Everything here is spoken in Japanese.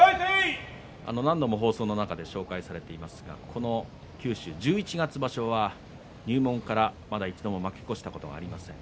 何度も放送の中で紹介されていますが十一月場所は入門からまだ一度も負け越したことがありません。